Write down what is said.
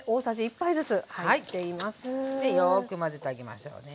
でよく混ぜてあげましょうね。